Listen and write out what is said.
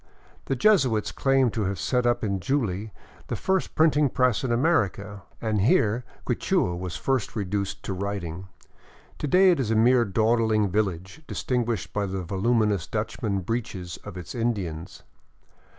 The Jesuits claim to have set up in Juli the first printing press in America, and here Quichua was first reduced to writing. To day it is a mere dawdling village, distinguished by the voluminous Dutchman breeches of its Indians.